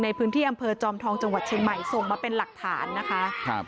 ในพื้นที่อำเภอจอมทองจังหวัดเชียงใหม่ส่งมาเป็นหลักฐานนะคะครับ